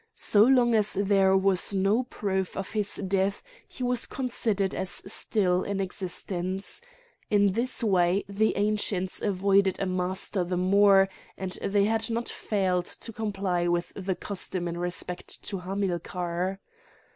So long as there was no proof of his death he was considered as still in existence. In this way the Ancients avoided a master the more, and they had not failed to comply with the custom in respect to Hamilcar.